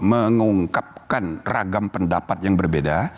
mengungkapkan ragam pendapat yang berbeda